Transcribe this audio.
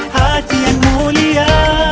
hati yang mulia